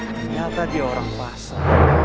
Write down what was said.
ternyata dia orang basah